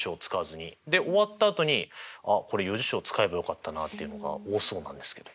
で終わったあとに「あっこれ余事象使えばよかったな」っていうのが多そうなんですけど。